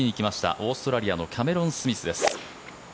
オーストリアのキャメロン・スミスです。